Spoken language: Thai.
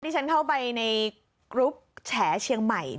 ที่ฉันเข้าไปในกรุ๊ปแฉเชียงใหม่